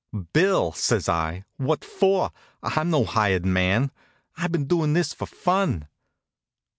"Bill!" says I. "What for? I'm no hired man. I've been doin' this for fun."